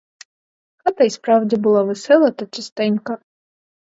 Хата й справді була весела та чистенька.